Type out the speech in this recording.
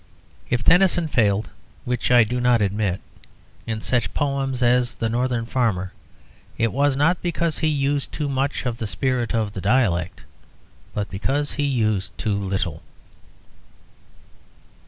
If Tennyson failed (which I do not admit) in such poems as "The Northern Farmer," it was not because he used too much of the spirit of the dialect, but because he used too little.